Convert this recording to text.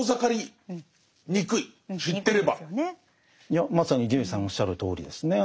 いやまさに伊集院さんのおっしゃるとおりですね。